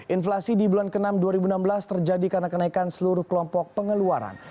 inflasi di bulan ke enam dua ribu enam belas terjadi karena kenaikan seluruh kelompok pengeluaran